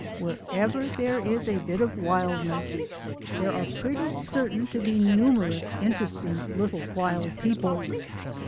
Wherever there is a bit of wildness there are pretty certain to be numerous interesting little wild peo ple.